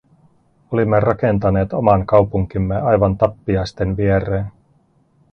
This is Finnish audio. Olimme rakentaneet oman kaupunkimme aivan tappiaisten viereen.